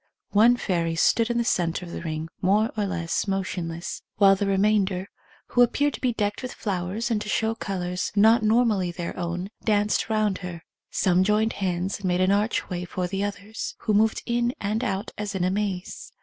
One fairy stood in the centre of the ring more or less motionless, while the re 108 OBSERVATIONS OF A CLAIRVOYANT mainder, who appeared to be decked with flowers and to show colours, not normally their own, danced round her. Some joined hands and made an archway for the others, who moved in and out as in a maze.